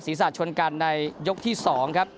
ศาสชนกันในยกที่๒ครับ